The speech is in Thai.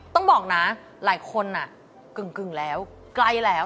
ต้องบอกนะหลายคนกึ่งแล้วใกล้แล้ว